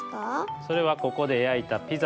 それはここでやいたピザです。